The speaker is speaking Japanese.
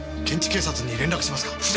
現地警察に連絡しますか？